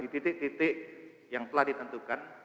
di titik titik yang telah ditentukan